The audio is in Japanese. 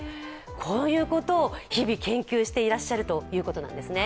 こういうことを日々、研究していらっしゃるということなんですね。